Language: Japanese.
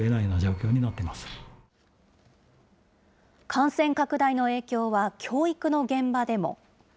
感染拡大の影響は、教育の現場でも。